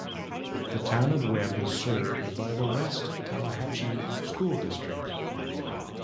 The Town of Webb is served by the West Tallahatchie School District.